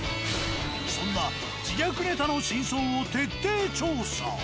そんな自虐ネタの真相を徹底調査。